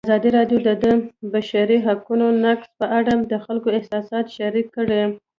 ازادي راډیو د د بشري حقونو نقض په اړه د خلکو احساسات شریک کړي.